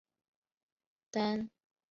单行本收录于合集的作品未集结短篇